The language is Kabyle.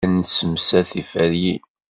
La nessemsad tiferyin.